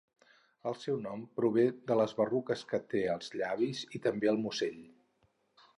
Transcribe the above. El seu nom prové de les berrugues que té als llavis i també al musell.